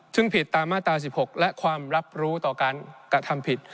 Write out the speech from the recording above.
ซึ่งผิดตามมาตรา๑๖และความรับรู้ต่อการกระทำผิด